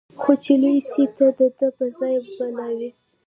خو چي لوی سي تل د ده په ځان بلاوي